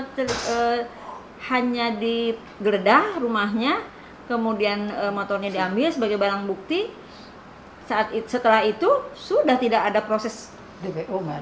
dua ribu enam belas itu kan hanya digeredah rumahnya kemudian motornya diambil sebagai barang bukti setelah itu sudah tidak ada proses dpo